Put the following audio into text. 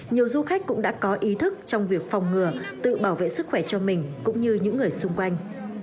nhiều du khách cũng đã có ý thức trong việc phòng ngừa tự bảo vệ sức khỏe cho mình cũng như những người xung quanh